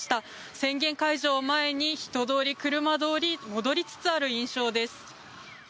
宣言解除を前に人通り、車通り戻りつつある印象です。